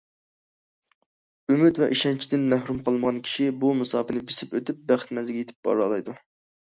ئۈمىد ۋە ئىشەنچتىن مەھرۇم قالمىغان كىشى بۇ مۇساپىنى بېسىپ ئۆتۈپ بەخت مەنزىلىگە يېتىپ بارالايدۇ.